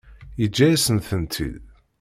Yeǧǧa-yasen-tent-id.